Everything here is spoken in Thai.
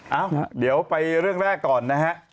เอ้าเดี๋ยวไปเรื่องแรกก่อนนะฮะ